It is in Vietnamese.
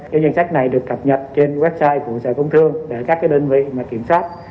cái danh sách này được cập nhật trên website của sở công thương để các đơn vị kiểm soát